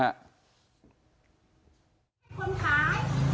คนขายแค่นี้ส์แล้วรู้ไหมนะ